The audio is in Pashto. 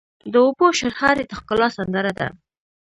د اوبو شرهاری د ښکلا سندره ده.